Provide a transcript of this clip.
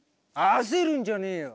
焦るんじゃねえよ！